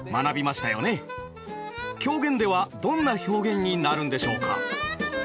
狂言ではどんな表現になるんでしょうか？